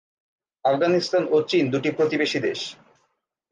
আফগানিস্তান ও চীন দুটি প্রতিবেশী দেশ।